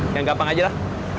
yang gampang aja lah